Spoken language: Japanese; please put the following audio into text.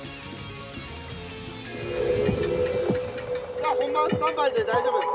・じゃあ本番スタンバイで大丈夫ですか？